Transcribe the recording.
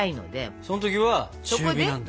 そん時は中火なんだ。